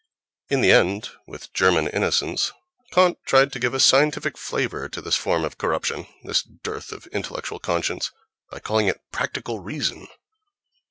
In the end, with "German" innocence, Kant tried to give a scientific flavour to this form of corruption, this dearth of intellectual conscience, by calling it "practical reason."